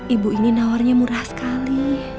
ibu ini nawarnya murah sekali